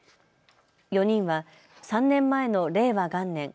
４人は３年前の令和元年